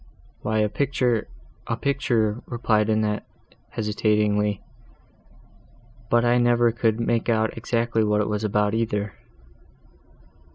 "Why a picture—a picture," replied Annette, hesitatingly—"but I never could make out exactly what it was about, either."